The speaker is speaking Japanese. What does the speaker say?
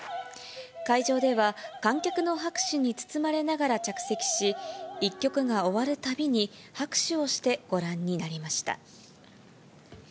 会場では、観客の拍手に包まれながら着席し、１曲が終わるたびに拍手をしてご覧になりました。